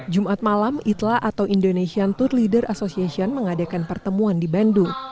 jumat malam itla atau indonesian tour leader association mengadakan pertemuan di bandung